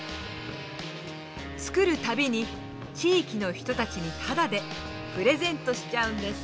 作る度に地域の人たちにタダでプレゼントしちゃうんです。